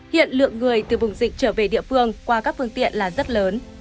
hiện lượng người từ vùng dịch trở về địa phương qua các phương tiện là rất lớn